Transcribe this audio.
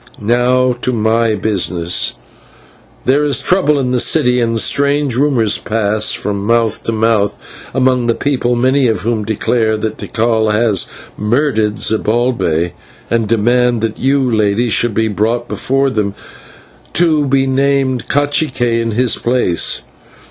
Now to my business. There is trouble in the city, and strange rumours pass from mouth to mouth among the people, many of whom declare that Tikal has murdered Zibalbay, and demand that you, Lady, should be brought before them, that you may be named /cacique/ in his place.